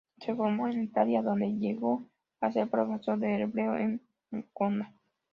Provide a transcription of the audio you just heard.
Se formó en Italia, donde llegó a ser profesor de hebreo en Ancona.